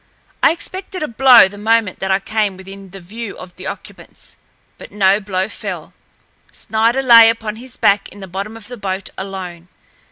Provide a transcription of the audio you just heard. I expected a blow the moment that I came within the view of the occupants, but no blow fell. Snider lay upon his back in the bottom of the boat alone.